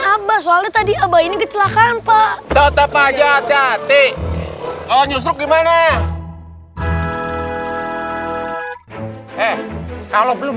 abah soalnya tadi abah ini kecelakaan pak tetap aja hati hati oh nyustruk gimana eh kalau belum